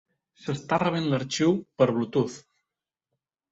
S'està rebent l'arxiu per bluetooth.